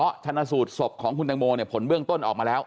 เพราะชนะสูตรศพของคุณตังโมเนี่ยผลเบื้องต้นออกมาแล้ว